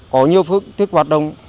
có nhiều phước thức hoạt động